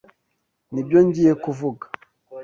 Nibyo ngiye kuvuga.